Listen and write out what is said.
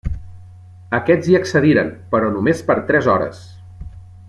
Aquests hi accediren, però només per tres hores.